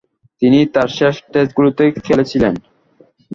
তিনি তার শেষ টেস্টগুলোতে খেলেছিলেন।